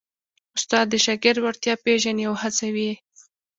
استاد د شاګرد وړتیا پېژني او هڅوي یې.